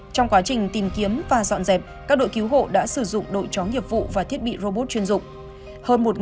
trong quá trình tìm kiếm và dọn dẹp các đội cứu hộ đã sử dụng đội chó nghiệp vụ và thiết bị robot chuyên dụng